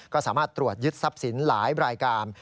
ก็สามารถตรวจยึดทรัพย์สินหลายรายการ